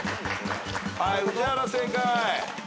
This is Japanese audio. はい宇治原正解。